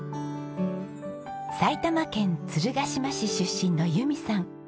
埼玉県鶴ヶ島市出身の由美さん。